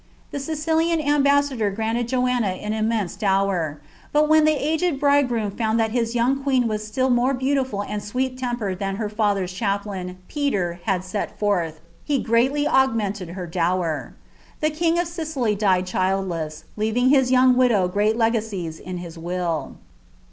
The Sicilian ambassador rmnted Joanna an immense dower; but when the aged bridegroom mnd that his young queen was still more beautiful and sweet tempered lan her father's chaplain, Peter, had set forth, he greatly augmented her ower. The king of Sicily died childless, leaving his young widow reat legacies in his will.